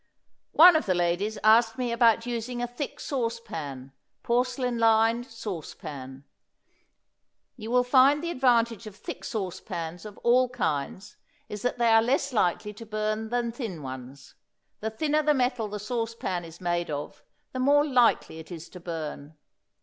One of the ladies asked me about using a thick sauce pan porcelain lined sauce pan; you will find the advantage of thick sauce pans of all kinds is that they are less likely to burn than thin ones. The thinner the metal the sauce pan is made of, the more likely it is to burn.